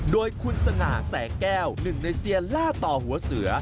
โดยคุณสง่าแสงแก้วหนึ่งในเซียนล่าต่อหัวเสือ